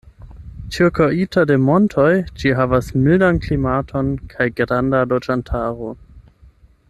Ĉirkaŭita de montoj, ĝi havas mildan klimaton kaj granda loĝantaro.